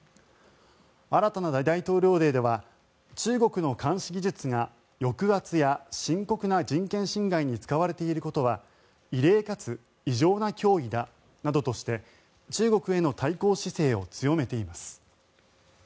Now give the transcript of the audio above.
新たな大統領令では中国の監視技術が抑圧や深刻な人権侵害に使われていることは異例かつ異常な脅威だなどとして中国への対抗姿勢を強めています。